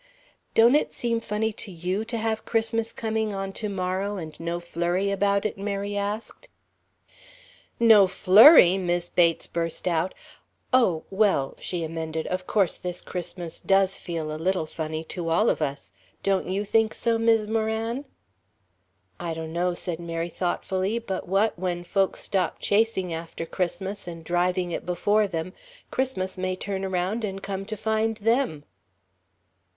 "Don't it seem funny to you to have Christmas coming on to morrow and no flurry about it?" Mary asked. "No flurry!" Mis' Bates burst out. "Oh, well," she amended, "of course this Christmas does feel a little funny to all of us. Don't you think so, Mis' Moran?" "I donno," said Mary, thoughtfully, "but what, when folks stop chasing after Christmas and driving it before them, Christmas may turn around and come to find them."